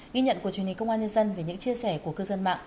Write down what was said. ghi nhận của truyền hình công an nhân dân về những chia sẻ của cư dân mạng